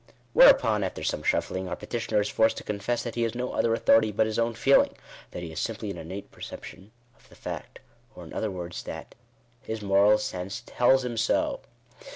Whereupon, after some shuffling, our petitioner is forced to confess, that he has no other authority hut his own feeling — that he has simply an innate perception of the fact; or, in other words, that " his moral sense tells him so."